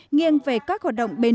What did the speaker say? nghiêng về các hoạt động biên tập